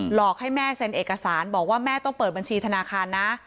หลอกให้แม่เซ็นเอกสารบอกว่าแม่ต้องเปิดบัญชีธนาคารนะ